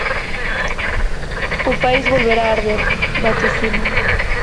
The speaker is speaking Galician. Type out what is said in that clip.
O país volverá arder, vaticinan.